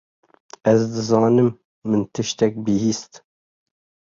Ez dizanim min tiştek bihîst.